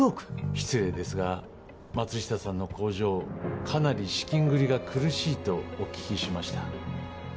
失礼ですが松下さんの工場かなり資金繰りが苦しいとお聞きしました。